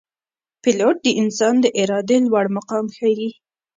پیلوټ د انسان د ارادې لوړ مقام ښيي.